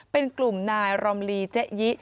เป็นกลุ่มนายรอมลีเจ๊ยิ